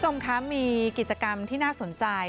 มคมีกิจกรรมที่น่าสนใจ